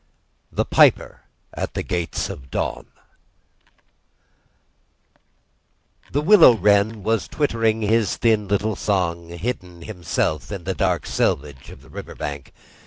THE PIPER AT THE GATES OF DAWN The Willow Wren was twittering his thin little song, hidden himself in the dark selvedge of the river bank.